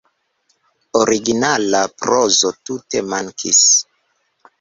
Originala prozo tute mankis.